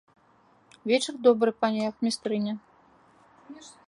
Вечар добры, пані ахмістрыня!